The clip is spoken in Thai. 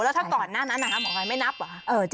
แล้วถ้าก่อนหน้านั้นหมอไก่ไม่นับว่ะ